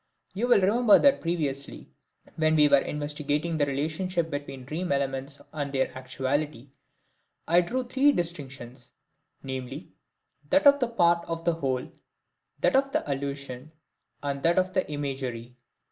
You will remember that previously, when we were investigating the relationship between dream elements and their actuality, I drew three distinctions, viz., that of the part of the whole, that of the allusion, and that of the imagery.